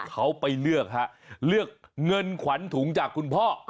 เขาไปเลือกฮะเลือกเงินขวัญถุงจากคุณพ่อ